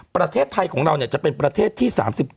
ประเทศไทยของเราจะเป็นประเทศที่๓๗